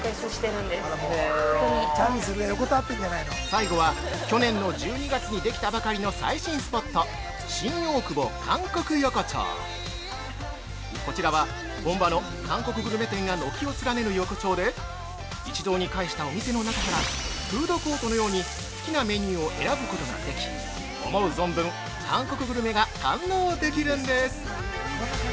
◆最後は、去年の１２月にできたばかりの最新スポット「新大久保韓国横丁」こちらは、本場の韓国グルメ店が軒を連ねる横丁で、一堂に介したお店の中からフードコートのように好きなメニューを選ぶことができ思う存分、韓国グルメが堪能できるんです！